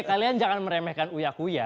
eh kalian jangan meremehkan uyakuya